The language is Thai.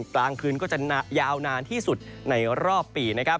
กลางคืนก็จะยาวนานที่สุดในรอบปีนะครับ